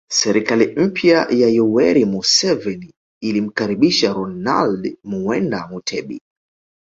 Serikali mpya ya Yoweri Museveni ilimkaribisha Ronald Muwenda Mutebi